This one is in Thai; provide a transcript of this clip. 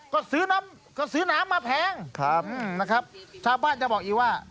ก็ซื้อน้ำก็ซื้อน้ำมาแพงครับนะครับชาวบ้านจะบอกอีกว่า